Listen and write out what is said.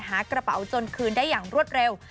หากระเป๋าจนคืนได้อย่างรวดเร็ว